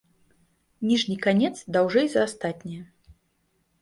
Ніжні канец даўжэй за астатнія.